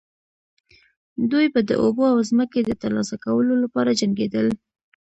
دوی به د اوبو او ځمکې د ترلاسه کولو لپاره جنګیدل.